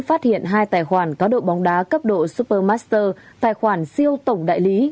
phát hiện hai tài khoản cáo độ bóng đá cấp độ supermaster tài khoản siêu tổng đại lý